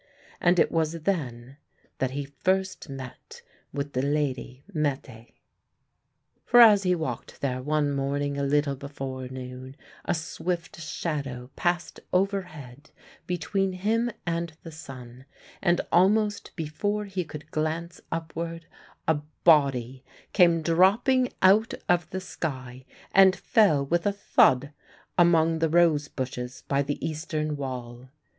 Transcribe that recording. And it was then that he first met with the lady Mette. For as he walked there one morning, a little before noon, a swift shadow passed overhead between him and the sun, and almost before he could glance upward a body came dropping out of the sky and fell with a thud among the rose bushes by the eastern wall.